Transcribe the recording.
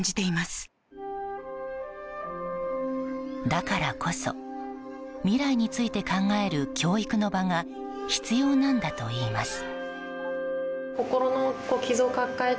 だからこそ未来について考える教育の場が必要なんだと言います。